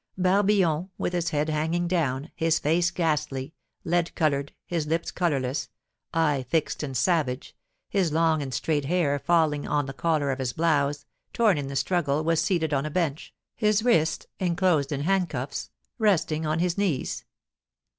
Barbillon, with his head hanging down, his face ghastly, lead coloured, his lips colourless, eye fixed and savage, his long and straight hair falling on the collar of his blouse, torn in the struggle, was seated on a bench, his wrists, enclosed in handcuffs, resting on his knees.